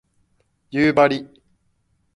夕張